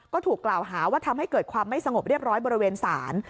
ก็ถูกกล่าวหาว่าทำให้เกิดความไม่สงบเรียบร้อยบริเวณศาล